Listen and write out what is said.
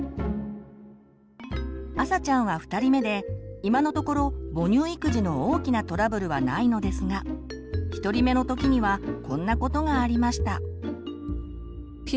あさちゃんは２人目で今のところ母乳育児の大きなトラブルはないのですが１人目の時にはこんなことがありました。